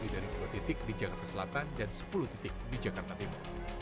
dari dua titik di jakarta selatan dan sepuluh titik di jakarta timur